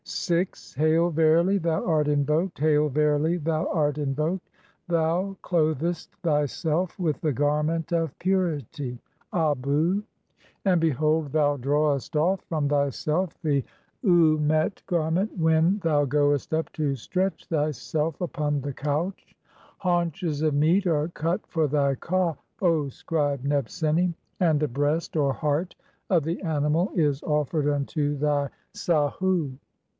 VI. "Hail, verily thou art invoked ; hail, verily thou art in "voked. Thou clothest thyself with the garment of purity (abu), THE CHAPTER OF PRAISINGS. 3ig "and behold, thou drawest off from thyself the timet garment "when (3i) thou goest up to stretch thyself upon the couch (?). "Haunches of meat are cut for thy ka, O scribe Nebseni, and "a breast (or heart) of the animal is offered unto thy sahu.